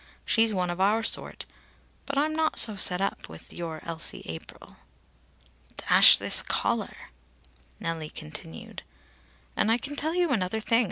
She's one of our sort. But I'm not so set up with your Elsie April." "Dash this collar!" Nellie continued: "And I can tell you another thing.